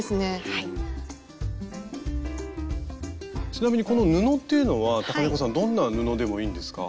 ちなみにこの布っていうのはｔａｋａｎｅｃｏさんどんな布でもいいんですか？